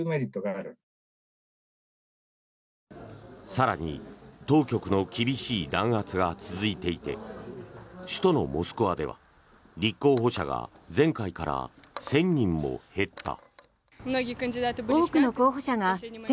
更に、当局の厳しい弾圧が続いていて首都のモスクワでは、立候補者が前回から１０００人も減った。